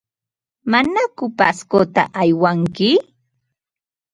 ¿Manaku Pascota aywanki?